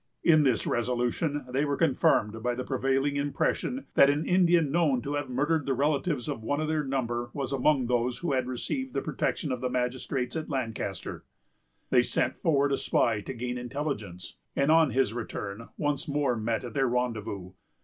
In this resolution they were confirmed by the prevailing impression, that an Indian known to have murdered the relatives of one of their number was among those who had received the protection of the magistrates at Lancaster. They sent forward a spy to gain intelligence, and, on his return, once more met at their rendezvous.